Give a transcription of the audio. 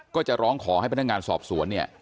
ก็จะร้องขอให้พนักงานสอบสวนเนี่ย